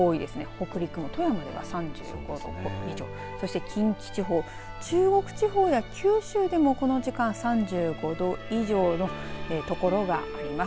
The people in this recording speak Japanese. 北陸も富山も３５度以上近畿地方、中国地方や九州でもこの時間３５度以上のところがあります。